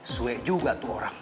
suek juga tuh orang